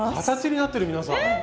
形になってる皆さん！